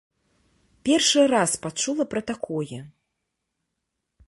Першы раз пачула пра такое.